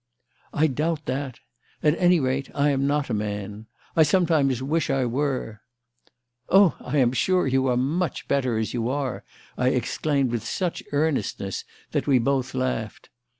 "I doubt that. At any rate, I am not a man. I sometimes wish I were." "Oh, I am sure you are much better as you are!" I exclaimed, with such earnestness that we both laughed.